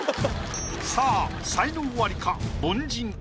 さあ才能アリか？